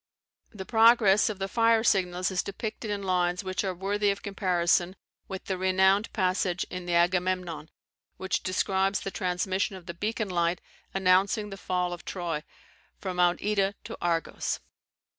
The progress of the fire signals is depicted in lines which are worthy of comparison with the renowned passage in the Agamemnon, which describes the transmission of the beacon light announcing the fall of Troy, from Mount Ida to Argos.